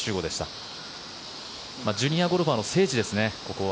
ここはジュニアゴルファーの聖地ですね。